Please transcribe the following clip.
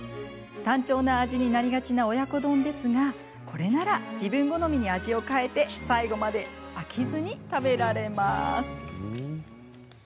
単調な味になりがちな親子丼ですがこれなら自分好みに味を変えて最後まで飽きずに食べられます。